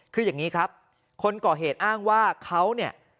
คืออย่างนี้ครับคนก่อเหตุอ้างว่าเขาเนี่ย